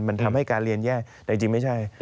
มันทำให้การเรียนแย่แต่จริงไม่ใช่